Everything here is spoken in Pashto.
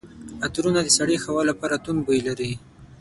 عطرونه د سړې هوا لپاره توند بوی لري.